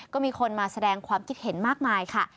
ก็มีคนมาแสดงความคิดเห็นมากมายค่ะ